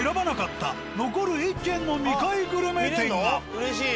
うれしい。